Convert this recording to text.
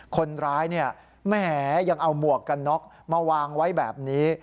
คนร้ายแม้ยังเอาหมวกกันน๊อคมาวางไว้แบบนี้